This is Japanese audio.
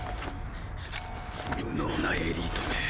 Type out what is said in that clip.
無能なエリートめ。